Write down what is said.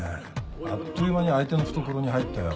あっという間に相手の懐に入ったよ。